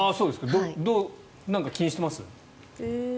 何か気にしてます？